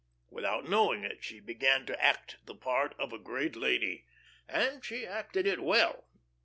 Without knowing it, she began to act the part of a great lady and she acted it well.